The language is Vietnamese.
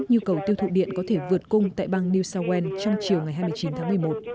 nhu cầu tiêu thụ điện có thể vượt cung tại bang new south wales trong chiều ngày hai mươi chín tháng một mươi một